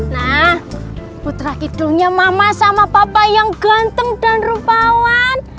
nah putra hidungnya mama sama papa yang ganteng dan rupawan